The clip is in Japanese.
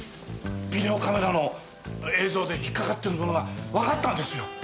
ビデオカメラの映像で引っかかってるものがわかったんですよ！